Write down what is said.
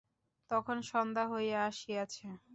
তখন সন্ধ্যা হইয়া আসিয়াছে।